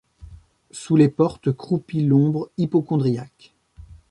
Sous les portes croupit l’ombre hypocondriaque.